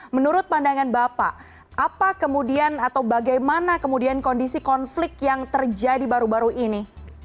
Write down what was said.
menurut pandangan bapak apa kemudian atau bagaimana kemudian kondisi konflik yang terjadi baru baru ini